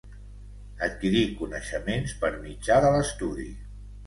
Adquirir coneixements per mitjà de l'estudi.